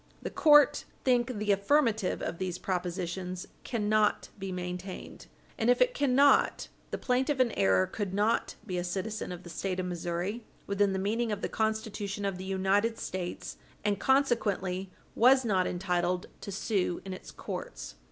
The court think the affirmative of these propositions cannot be maintained. And if it cannot, the plaintiff in error could not be a citizen of the State of Missouri within the meaning of the Constitution of the United States, and, consequently, was not entitled to sue in its courts.